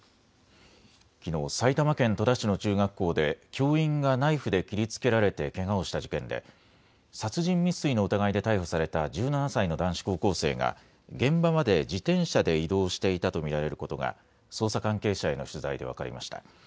きのう埼玉県戸田市の中学校で教員がナイフで切りつけられてけがをした事件で殺人未遂の疑いで逮捕された１７歳の男子高校生が現場まで自転車で移動していたと見られることが捜査関係者への取材で分かりました。